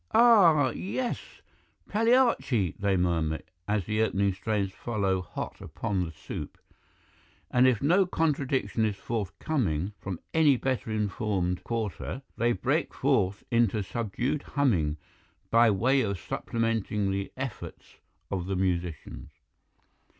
"'Ah, yes, Pagliacci,' they murmur, as the opening strains follow hot upon the soup, and if no contradiction is forthcoming from any better informed quarter they break forth into subdued humming by way of supplementing the efforts of the musicians.